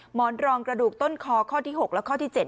หมอนรองกระดูกต้นคอข้อที่๖และข้อที่๗